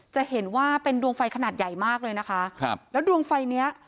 จะเห็นว่าเป็นดวงไฟขนาดใหญ่มากเลยนะคะครับแล้วดวงไฟเนี้ย